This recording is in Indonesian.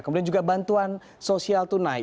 kemudian juga bantuan sosial tunai